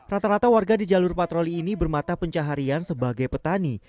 rata rata warga di jalur patroli ini bermata pencaharian sebagai petani